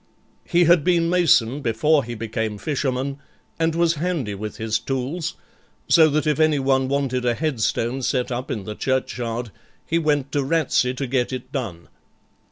He had been mason before he became fisherman, and was handy with his tools; so that if anyone wanted a headstone set up in the churchyard, he went to Ratsey to get it done.